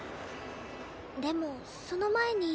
でもその前に。